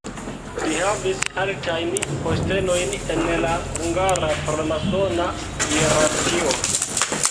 Li havis altajn postenojn en la hungara framasona hierarkio.